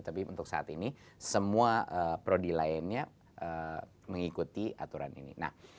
tapi untuk saat ini semua prodilayennya mengikuti aturan ini